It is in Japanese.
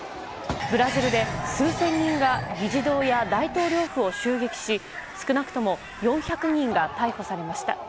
ブラジルで数千人が議事堂や大統領府を襲撃し少なくとも４００人が逮捕されました。